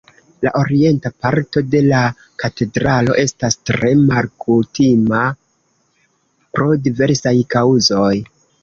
La orienta parto de la katedralo estas tre malkutima pro diversaj kaŭzoj.